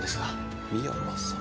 深山さま。